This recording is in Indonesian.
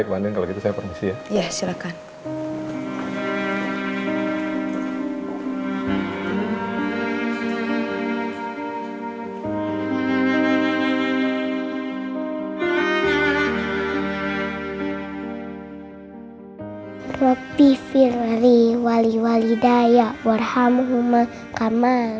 amin amin pak terima kasih ya pak ya